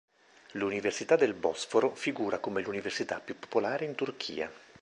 L'Università del Bosforo, figura come l'università più popolare in Turchia.